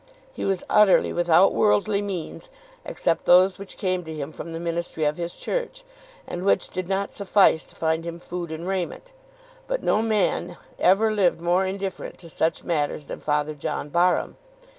He was utterly without worldly means, except those which came to him from the ministry of his church, and which did not suffice to find him food and raiment; but no man ever lived more indifferent to such matters than Father John Barham.